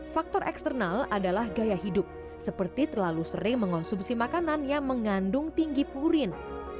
faktor eksternal adalah gaya hidup seperti terlalu sering mengonsumsi makanan yang mengandung tinggi purin